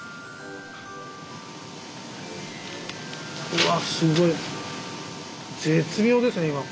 うわすごい絶妙ですね。